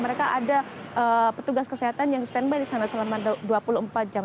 mereka ada petugas kesehatan yang standby di sana selama dua puluh empat jam